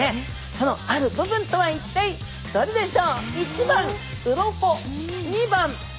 そのある部分とは一体どれでしょう？